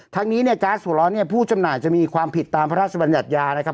ทั้งนี้เนี่ยก๊าซหัวร้อนเนี่ยผู้จำหน่ายจะมีความผิดตามพระราชบัญญัติยานะครับ